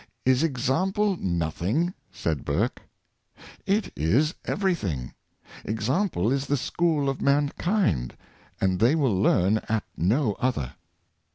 '' Is ex ample nothing?" said Burke. "It is everything. Ex ample is the school of mankind, and they will learn at no other."